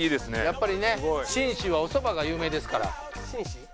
やっぱりね信州はおそばが有名ですから。